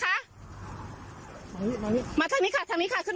ความเรียสัพธิบาท